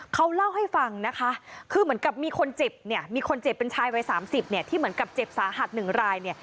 เขาเล่าให้ฟังนะคะคือเหมือนกับมีคนเจ็บเนี่ยมีคนเจ็บเป็นชายวัยสามสิบเนี่ยที่เหมือนกับเจ็บสาหัสหนึ่งรายเนี่ย